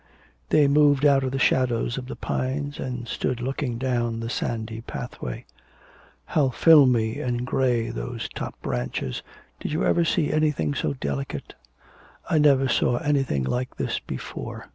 They moved out of the shadows of the pines, and stood looking down the sandy pathway. 'How filmy and grey those top branches, did you ever see anything so delicate?' 'I never saw anything like this before.